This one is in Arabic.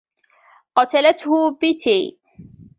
قتلته بتي.